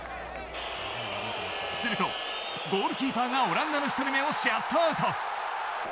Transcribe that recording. すると、ゴールキーパーがオランダの１人目をシャットアウト。